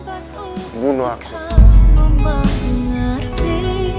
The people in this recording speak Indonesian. aku akan pergi